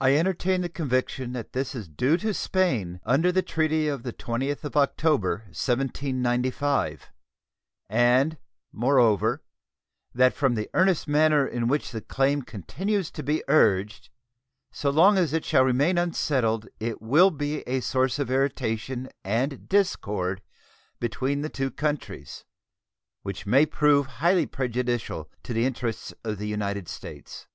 I entertain the conviction that this is due to Spain under the treaty of the 20th of October, 1795, and, moreover, that from the earnest manner in which the claim continues to be urged so long as it shall remain unsettled it will be a source of irritation and discord between the two countries, which may prove highly prejudicial to the interests of the United States.